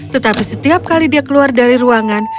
tetapi setiap kali dia keluar dari ruangan